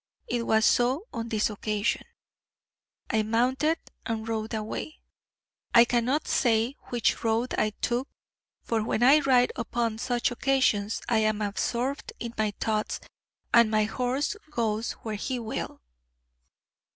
It was so on this occasion. I mounted and rode away. I cannot say which road I took, for when I ride upon such occasions, I am absorbed in my thoughts and my horse goes where he will.